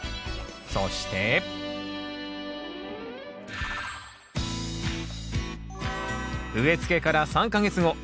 そして植え付けから３か月後。